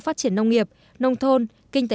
phát triển nông nghiệp nông thôn kinh tế